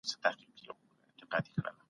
ایا ته غواړې چي ښه هېواد ولرې؟